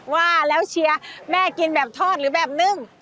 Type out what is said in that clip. ว่าแล้วเชียร์แม่กินแบบทอดหรือแบบนึ่ง